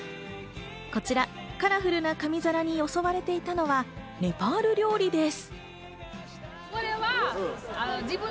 こちら、カラフルな紙皿によそわれていたのはネパール料理です。